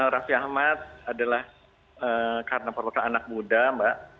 raffi ahmad adalah karena merupakan anak muda mbak